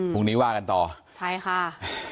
พรุ่งนี้ว่ากันต่อใช่ค่ะ